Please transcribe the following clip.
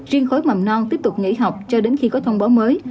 riêng khối mầm non tiếp tục nghỉ học cho đến khi có thông báo mới